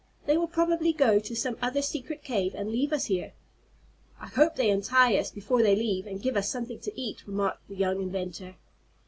"They will probably go to some other secret cave, and leave us here." "I hope they untie us before they leave, and give us something to eat," remarked the young inventor.